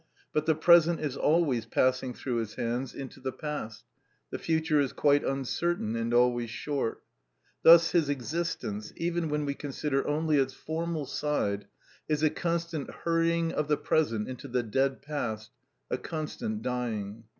But the present is always passing through his hands into the past; the future is quite uncertain and always short. Thus his existence, even when we consider only its formal side, is a constant hurrying of the present into the dead past, a constant dying.